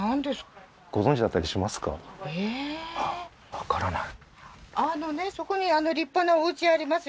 わからない？